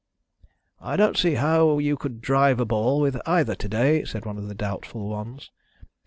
"I don't see how you could drive a ball with either to day," said one of the doubtful ones.